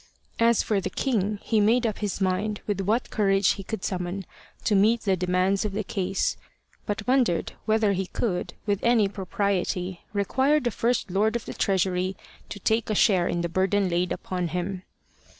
As for the king, he made up his mind, with what courage he could summon, to meet the demands of the case, but wondered whether he could with any propriety require the First Lord of the Treasury to take a share in the burden laid upon him.